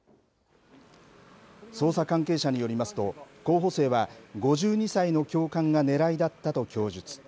捜査関係者によりますと候補生は５２歳の教官が狙いだったと供述。